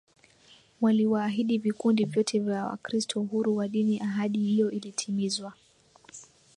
Waliwaahidi vikundi vyote vya Wakristo uhuru wa dini Ahadi hiyo ilitimizwa